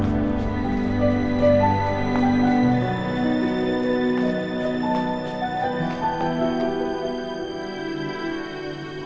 tuhan yang terbaik